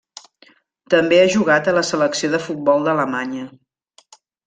També ha jugat a la selecció de futbol d'Alemanya.